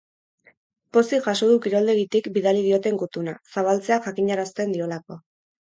Pozik jaso du kiroldegitik bidali dioten gutuna, zabaltzea jakinarazten diolako.